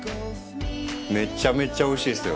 めっちゃめちゃおいしいですよ。